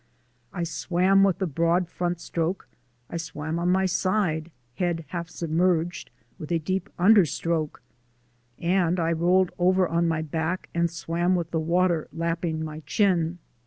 I swam with the broad front stroke, I swam on my side, head half submerged, with a deep under stroke, and I rolled over on my back and swam with the water lapping my chin.